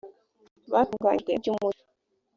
batunganyijwe mu by umuco